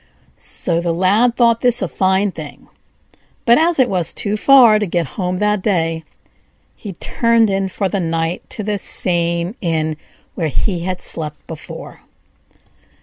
'" So the Lad thought this a fine thing; but as it was too far to get home that day, he turned in for the night to the same inn where he had slept before.